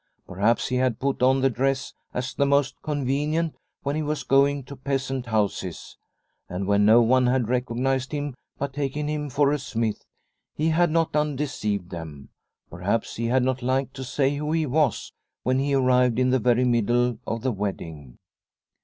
Perhaps he had put on the dress as the most convenient when he was going to peasant houses. And when no one had recognised him but taken him for a smith he had not undeceived them. Perhaps he had not liked to say who he was when he arrived in the very middle of the wedding.